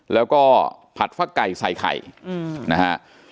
แล้วก็ผัดฟักไก่ใส่ไข่นะฮะ